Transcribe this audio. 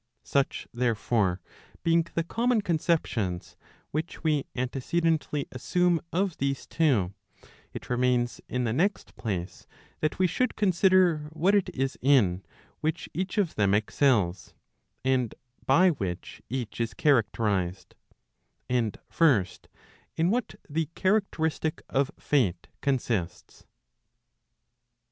Such therefore, being the common conceptions which we antecedently assume of these two, it remains in the next place that we should consider what it is in which each of them excels [[and by which each is characterized}: and first, in what the characteristic of Fate consists.